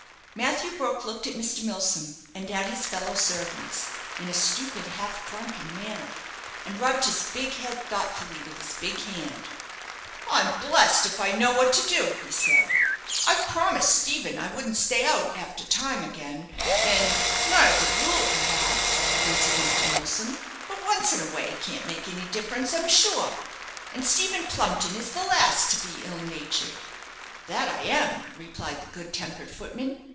Matthew Brook looked at Mr. Milsom, and at his fellow servants, in a stupid half drunken manner, and rubbed his big head thoughtfully with his big hand. "I'm blest if I know what to do," he said; "I've promised Stephen I wouldn't stay out after time again and " "Not as a rule, perhaps," answered Mr. Milsom; "but once in a way can't make any difference, I'm sure, and Stephen Plumpton is the last to be ill natured." "That I am," replied the good tempered footman.